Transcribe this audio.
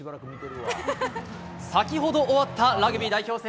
先ほど終わったラグビー代表戦。